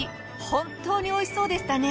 本当においしそうでしたね。